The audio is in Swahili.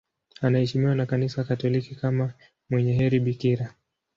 Anaheshimiwa na Kanisa Katoliki kama mwenye heri bikira.